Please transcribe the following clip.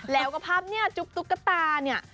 แล้วก็ภาพเนี่ยจุ๊บตุ๊กตาเนี่ย